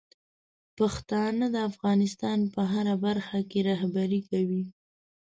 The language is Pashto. پښتانه د افغانستان په هره برخه کې رهبري کوي.